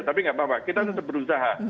tapi nggak apa apa kita tetap berusaha